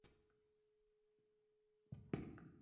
احمد وويل: وخت هلته ورو دی.